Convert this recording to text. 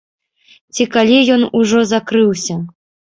Ці калі ён ужо закрыўся.